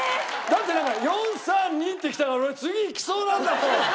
だって４３２ってきたら俺次いきそうなんだもん！